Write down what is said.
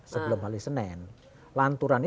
sebelum hari senin lanturan